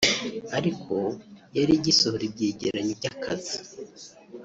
ariko yari igisohora ibyegeranyo by’akazi